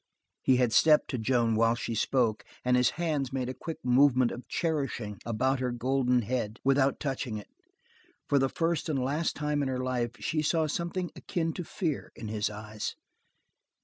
He had stepped to Joan while she spoke, and his hands made a quick movement of cherishing about her golden head, without touching it. For the first and the last time in her life, she saw something akin to fear in his eyes.